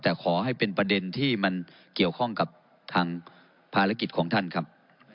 แต่ขอให้เป็นประเด็นที่มันเกี่ยวข้องกับทางภารกิจของท่านครับ